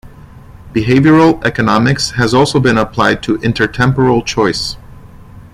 Behavioral economics has also been applied to intertemporal choice.